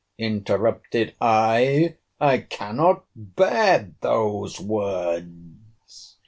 interrupted I—I cannot bear those words!